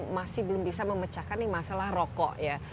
masih belum bisa memecahkan masalah rokok ya